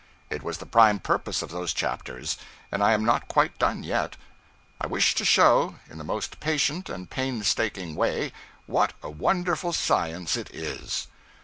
It was the prime purpose of those chapters; and I am not quite done yet. I wish to show, in the most patient and painstaking way, what a wonderful science it is.